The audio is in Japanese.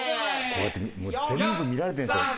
こうやって全部見られてるんですよ。